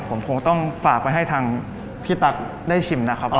ผมคงต้องฝากไปให้ทางพี่ตั๊กได้ชิมนะครับ